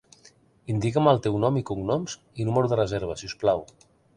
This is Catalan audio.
Indica'm el teu nom i cognoms i número de reserva, si us plau.